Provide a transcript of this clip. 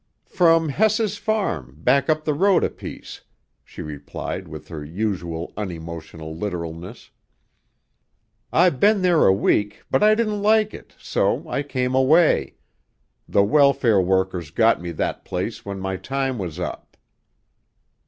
"From Hess's farm, back up the road a piece," she replied with her usual unemotional literalness. "I been there a week, but I didn't like it, so I came away. The welfare workers got me that place when my time was up."